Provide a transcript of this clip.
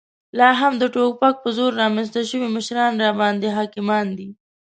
لا هم د توپک په زور رامنځته شوي مشران راباندې حاکمان دي.